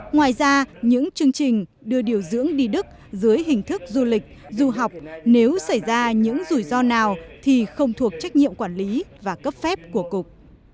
ngoài ra những chương trình đưa điều dưỡng đi đức dưới hình thức du lịch du học nếu xảy ra những rủi ro nào thì không thuộc trách nhiệm quản lý và cấp phép của cục